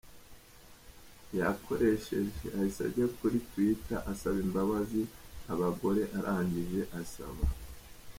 yakoresheje, yahise ajya kuri twitter asaba imbabazi abagore arangije asaba.